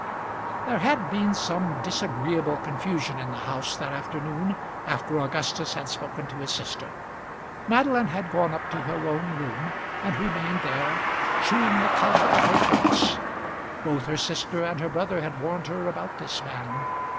There had been some disagreeable confusion in the house that afternoon after Augustus had spoken to his sister. Madeline had gone up to her own room, and had remained there, chewing the cud of her thoughts. Both her sister and her brother had warned her about this man.